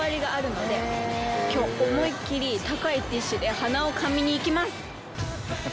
今日思いっきり高いティッシュで鼻をかみにいきます。